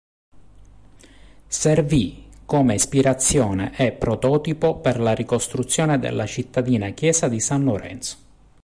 Servì come ispirazione e prototipo per la ricostruzione della cittadina chiesa di San Lorenzo.